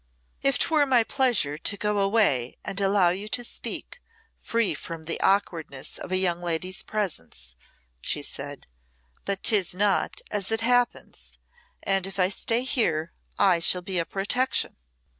"If 'twere my pleasure to go away and allow you to speak, free from the awkwardness of a young lady's presence," she said. "But 'tis not, as it happens, and if I stay here, I shall be a protection."